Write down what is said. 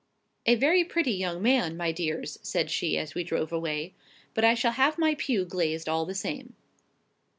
"A very pretty young man, my dears," said she, as we drove away. "But I shall have my pew glazed all the same."